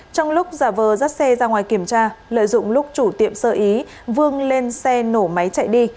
trong lúc giả vờ dắt xe ra ngoài kiểm tra lợi dụng lúc chủ tiệm sợ ý vương lên xe nổ máy chạy đi